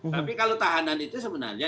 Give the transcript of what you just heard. tapi kalau tahanan itu sebenarnya